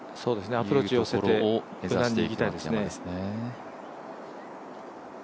アプローチ、寄せて、いきたいですね。